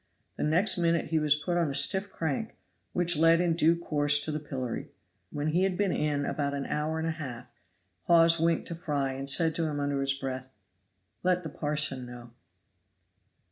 The next minute he was put on a stiff crank, which led in due course to the pillory. When he had been in about an hour and a half, Hawes winked to Fry, and said to him under his breath, "Let the parson know."